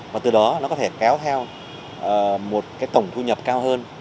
và từ đó nó có thể kéo theo một cái tổng thu nhập cao hơn